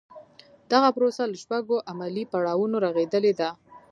دغه پروسه له شپږو عملي پړاوونو رغېدلې ده.